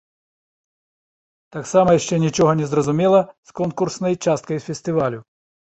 Таксама яшчэ нічога не зразумела з конкурснай часткай фестывалю.